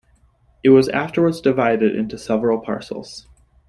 It was afterwards divided into several parcels.